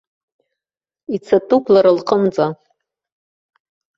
Ицатәуп лара лҟынӡа.